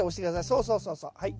そうそうそうそうはい。